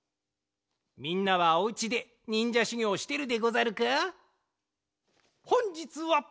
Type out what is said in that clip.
みんなはお家でにんじゃしゅぎょうしてるでござるか？